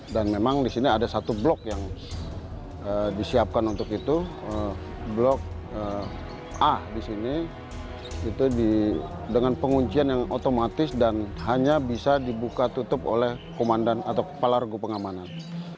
dan memang di sini ada satu blok yang disiapkan untuk itu blok a di sini dengan penguncian yang otomatis dan hanya bisa dibuka tutup oleh komandan atau kepala regu pengamanan